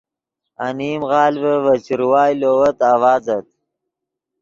انیم غالڤے ڤے چروائے لووت آڤازت